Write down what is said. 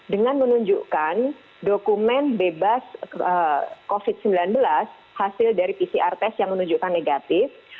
dengan menunjukkan dokumen bebas covid sembilan belas hasil dari pcr test yang menunjukkan negatif